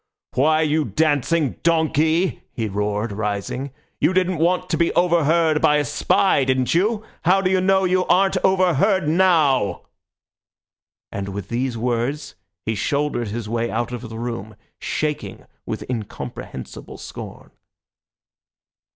Why, you dancing donkey," he roared, rising, "you didn't want to be overheard by a spy, didn't you? How do you know you aren't overheard now?" And with these words he shouldered his way out of the room, shaking with incomprehensible scorn.